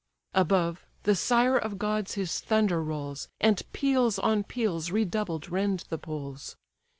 Above, the sire of gods his thunder rolls, And peals on peals redoubled rend the poles.